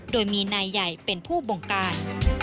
โดยมีนายใหญ่เป็นผู้บงการ